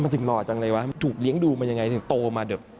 พี่โอ๊ดน่าจะไปอยู่ในคุก